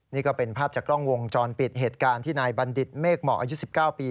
นี่ก็เป็นภาพจากกล้องวงจรปิดเหตุการณ์ที่นายบัณฑิตเมฆเหมาะอายุ๑๙ปี